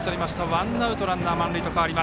ワンアウトランナー、満塁です。